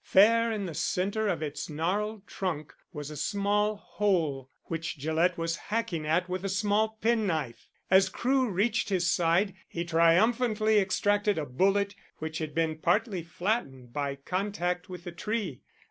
Fair in the centre of its gnarled trunk was a small hole, which Gillett was hacking at with a small penknife. As Crewe reached his side, he triumphantly extracted a bullet which had been partly flattened by contact with the tree.